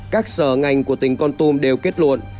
các sở ngành của tỉnh con tum đều kết luận